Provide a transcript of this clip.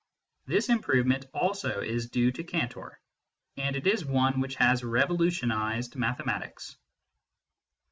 This improve ment also is due to Cantor, and it is one which has revolutionised mathematics.